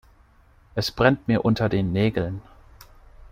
Es brennt mir unter den Nägeln.